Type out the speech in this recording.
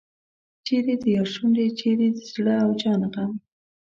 چیرې د یار شونډې چیرې د زړه او جان غم.